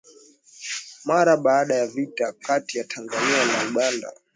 mara baada ya vita kati ya Tanzania na Uganda